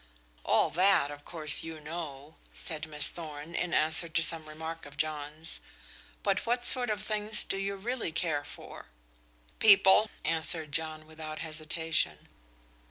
"All that, of course, you know," said Miss Thorn, in answer to some remark of John's, "but what sort of things do you really care for?" "People," answered John without hesitation.